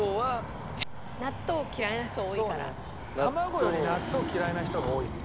卵より納豆嫌いな人が多いね。